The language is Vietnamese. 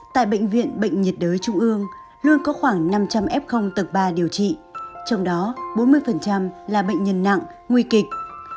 tại bệnh viện bệnh nhiệt đới trung ương luôn có khoảng năm trăm linh f tầng ba điều trị trong đó bốn mươi là bệnh nhân nặng nguy kịch